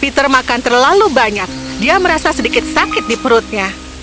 peter makan terlalu banyak dia merasa sedikit sakit di perutnya